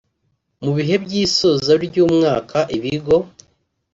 Mu bihe by’isoza ry’umwaka ibigo